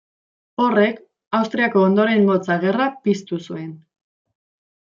Horrek Austriako Ondorengotza Gerra piztu zuen.